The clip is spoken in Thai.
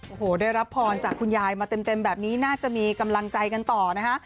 โอ้โหได้รับพรจากคุณยายมาเต็มแบบนี้น่าจะมีกำลังใจกันต่อนะคะ